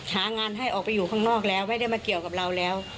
หางานให้ออกไปอยู่ข้างนอกแล้วไม่ได้มาเกี่ยวกับเราแล้ว